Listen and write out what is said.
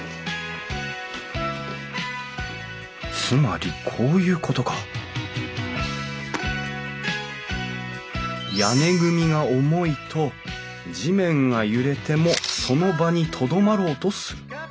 つまりこういうことか屋根組が重いと地面が揺れてもその場にとどまろうとする。